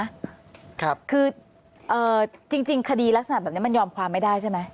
ครับคือเอ่อจริงคดีลักษณะแบบนี้มันยอมความไม่ได้ใช่ไหม